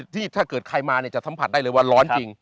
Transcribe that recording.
ที่ถ้าเกิดใครมาจะสัมผัสได้เลยว่าร้อนจริง